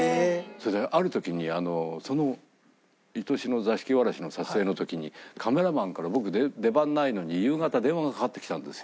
ある時にその『愛しの座敷わらし』の撮影の時にカメラマンから僕出番ないのに夕方電話がかかってきたんですよ。